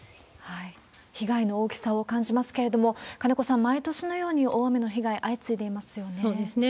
被害の大きさを感じますけれども、金子さん、毎年のように大雨の被害、相次いでいますよね。